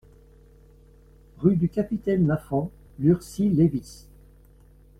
Rue du Capitaine Lafond, Lurcy-Lévis